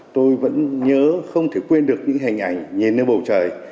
tôi vẫn nhớ không thể quên được những hình ảnh nhìn lên bầu trời